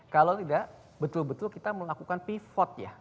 kalau tidak betul betul kita melakukan pivot ya